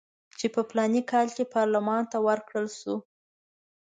چې په فلاني کال کې پارلمان ته ورکړل شوي.